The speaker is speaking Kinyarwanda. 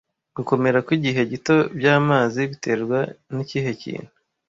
Gukomera kwigihe gito byamazi biterwa nikihe kintu